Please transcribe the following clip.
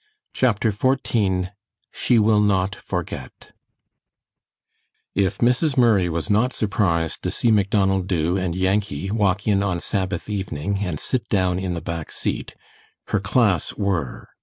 CHAPTER XIV SHE WILL NOT FORGET If Mrs. Murray was not surprised to see Macdonald Dubh and Yankee walk in on Sabbath evening and sit down in the back seat, her class were.